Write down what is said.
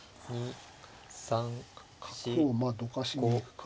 角をまあどかしに行くか。